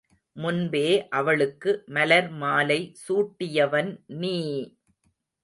முன்பே அவளுக்கு மலர்மாலை சூட்டியவன் நீ!